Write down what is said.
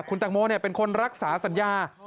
คุณแตงโมเนี่ยเป็นคนรักษาสัญญา